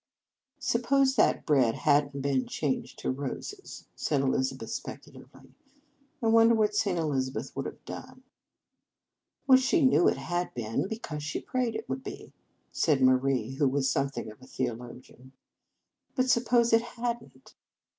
196 Reverend Mother s Feast " Suppose that bread had n t been changed to roses," said Elizabeth speculatively, " I wonder what St. Elizabeth would have done." " Oh, she knew it had been, because she prayed it would be," said Marie, who was something of a theologian. " But suppose it had n t."